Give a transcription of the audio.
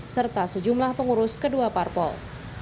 serta sejumlah pengurus kedua parpol